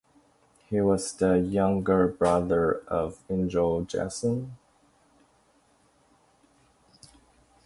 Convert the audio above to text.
He was the younger brother of Injo of Joseon.